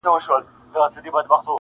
یا به مري یا به یې بل څوک وي وژلی-